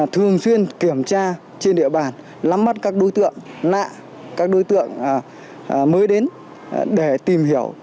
thường xuyên kiểm tra trên địa bàn nắm bắt các đối tượng nạ các đối tượng mới đến để tìm hiểu